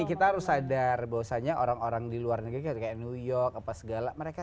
kita harus sadar bahwasannya orang orang di luar negeri kayak new york apa segala mereka